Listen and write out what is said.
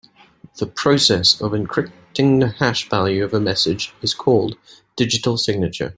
The process of encrypting the hash value of a message is called digital signature.